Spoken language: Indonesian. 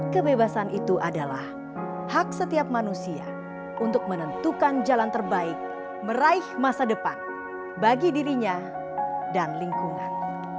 kebebasan itu adalah hak setiap manusia untuk menentukan jalan terbaik meraih masa depan bagi dirinya dan lingkungan